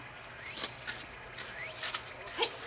はい。